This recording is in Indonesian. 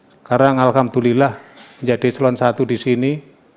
sekarang alhamdulillah menjadi celon satu di sini